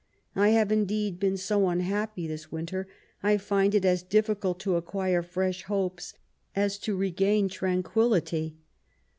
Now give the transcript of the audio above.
I have indeed been so unhappy this winter^ I find it as di£Bcalt to acquire fresh hopes as to regain tranquillity.